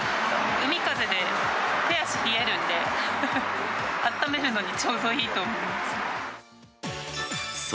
海風で手足冷えるんで、あっためるのにちょうどいいと思います。